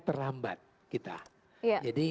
terlambat kita jadi